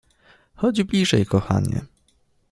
Chodź bliżej, kochanie!